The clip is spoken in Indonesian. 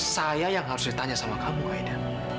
saya yang harus ditanya sama kamu haidar